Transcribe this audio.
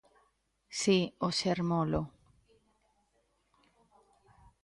Si, o xermolo.